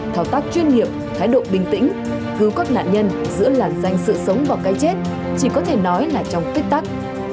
thao tác chuyên nghiệp thái độ bình tĩnh cứu các nạn nhân giữa làn danh sự sống và cái chết chỉ có thể nói là trong tích tắc